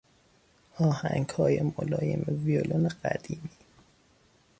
آهنگهای ملایم ویولن قدیمی